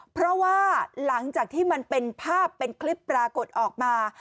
เพราะว่าหลังจากที่มันเป็นภาพเป็นคลิปปรากฏออกมา